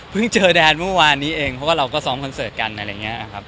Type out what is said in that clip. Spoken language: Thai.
เจอแดนเมื่อวานนี้เองเพราะว่าเราก็ซ้อมคอนเสิร์ตกันอะไรอย่างนี้ครับ